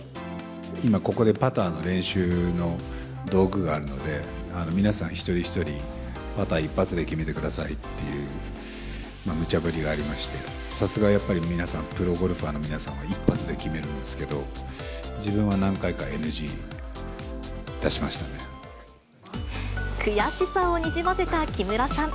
今、ここでパターの練習の道具があるので、皆さん一人一人、パター、一発で決めてくださいっていう、むちゃ振りがありまして、さすがやっぱり、プロゴルファーの皆さんは一発で決めるんですけど、悔しさをにじませた木村さん。